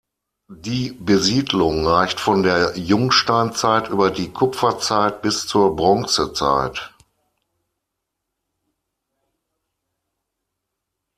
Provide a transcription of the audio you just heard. Die Besiedlung reicht von der Jungsteinzeit über die Kupferzeit bis zur Bronzezeit.